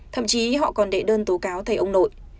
thậm chí họ còn đệ đơn tố cáo thầy ông nội